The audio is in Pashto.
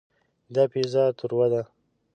دا پیزا تروه ده.